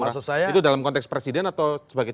maksud saya itu dalam konteks presiden atau sebagai